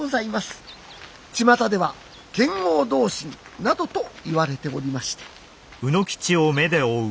ちまたでは「剣豪同心」などと言われておりまして。